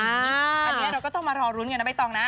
อันนี้เราก็ต้องมารอรุ้นอย่างนั้นไว้ต้องนะ